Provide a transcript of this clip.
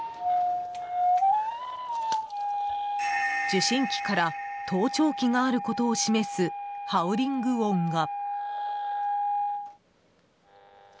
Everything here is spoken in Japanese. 受信機から盗聴器があることを示すハウリング音が。